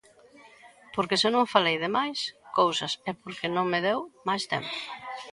Porque se non falei de máis cousas é porque non me deu máis tempo.